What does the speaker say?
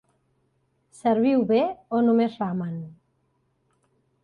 Serviu bé, o només ramen?